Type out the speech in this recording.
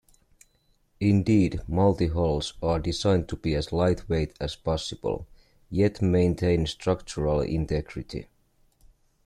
Indeed, multihulls are designed to be as light-weight as possible, yet maintain structural integrity.